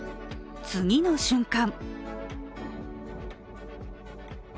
次の瞬間